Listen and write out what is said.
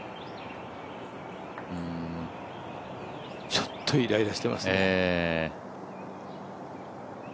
ちょっとイライラしてますね。